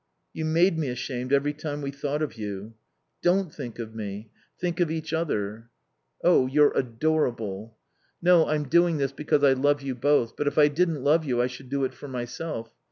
"You made me ashamed every time we thought of you." "Don't think of me. Think of each other." "Oh you're adorable." "No, I'm doing this because I love you both. But if I didn't love you I should do it for myself.